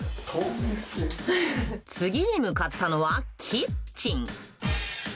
次に向かったのはキッチン。